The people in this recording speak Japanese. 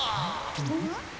うん？